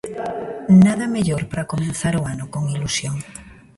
Nada mellor para comezar o ano con ilusión.